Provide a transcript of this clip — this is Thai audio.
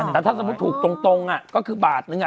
แต่ถ้าสมมุติถูกตรงก็คือบาทนึง